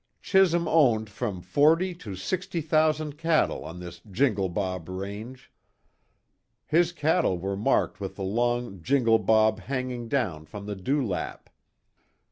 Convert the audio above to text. Chisum owned from forty to sixty thousand cattle on this "Jingle bob" range. His cattle were marked with a long "Jingle bob" hanging down from the dew lap.